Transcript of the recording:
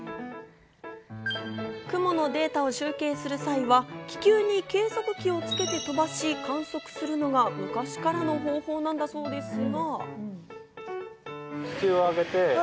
雲のデータを集計する際は気球に計測器をつけて飛ばし観測するのが昔からの方法なんだそうですが。